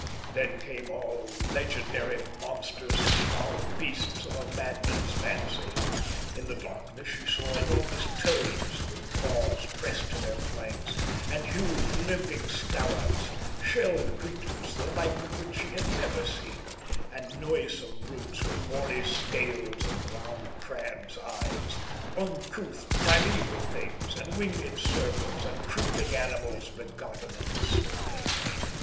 Then came all legendary monsters and foul beasts of a madman's fancy; in the darkness she saw enormous toads, with paws pressed to their flanks, and huge limping scarabs, shelled creatures the like of which she had never seen, and noisome brutes with horny scales and round crabs' eyes, uncouth primeval things, and winged serpents, and creeping animals begotten of the slime.